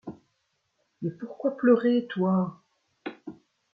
Mais pourquoi pleurer, toi ?